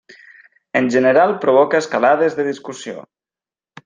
En general provoca escalades de discussió.